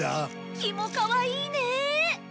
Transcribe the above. キモかわいいね。